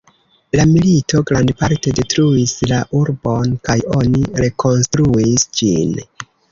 La milito grandparte detruis la urbon, kaj oni rekonstruis ĝin.